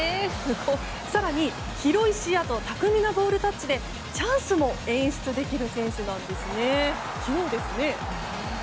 更に広い視野と巧みなボールタッチでチャンスも演出できる選手なんですね。